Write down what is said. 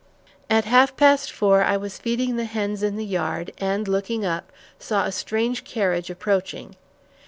At half past four, I was feeding the hens in the yard, and, looking up, saw a strange carriage approaching.